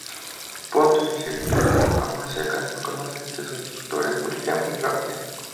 Ponto inició estudios de Farmacia, contándose entre sus instructores Wilhelm Röntgen.